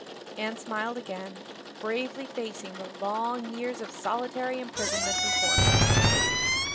Anne smiled again, bravely facing the long years of solitary imprisonment before her.